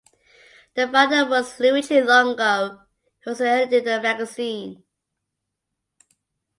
The founder was Luigi Longo who also edited the magazine.